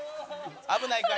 危ないから。